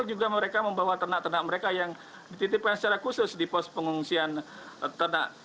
juga mereka membawa ternak ternak mereka yang dititipkan secara khusus di pos pengungsian ternak